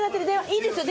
いいですよ